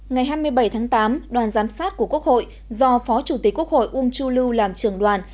ngày hai mươi bảy tháng tám đoàn giám sát của quốc hội do phó chủ tịch quốc hội ung chu lu làm trường đoàn